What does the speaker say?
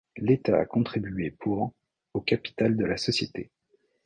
L'État a contribué pour au capital de la société.